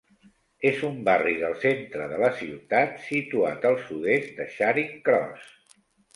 És un barri del centre de la ciutat situat al sud-est de Charing Cross.